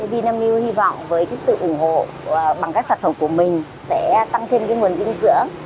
vinamilk hy vọng với sự ủng hộ bằng các sản phẩm của mình sẽ tăng thêm nguồn dinh dưỡng